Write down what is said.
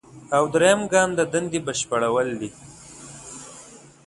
او دریم ګام د دندې بشپړول دي.